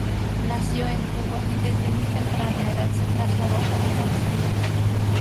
Nació en Cuba y desde muy temprana edad se trasladó a Estados Unidos.